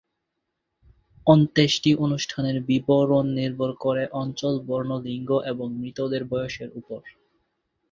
অন্ত্যেষ্টি অনুষ্ঠানের বিবরণ নির্ভর করে অঞ্চল, বর্ণ, লিঙ্গ এবং মৃতদের বয়সের উপর।